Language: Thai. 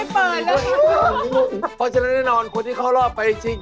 เพราะฉะนั้นแน่นอนคนที่เข้ารอบไปจริง